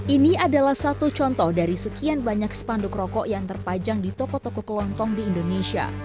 ini adalah satu contoh dari sekian banyak spanduk rokok yang terpajang di toko toko kelontong di indonesia